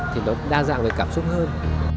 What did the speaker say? thì nó đa dạng về cảm xúc hơn